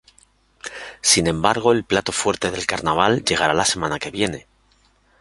Sin embargo, el plato fuerte del carnaval llegará la semana siguiente.